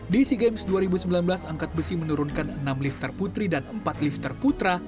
di sea games dua ribu sembilan belas angkat besi menurunkan enam lifter putri dan empat lifter putra